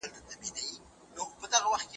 زه به لیکل کړي وي!؟